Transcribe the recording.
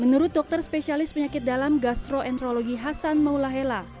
menurut dokter spesialis penyakit dalam gastroentrologi hasan maulahela